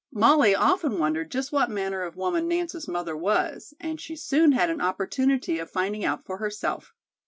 Molly often wondered just what manner of woman Nance's mother was, and she soon had an opportunity of finding out for herself.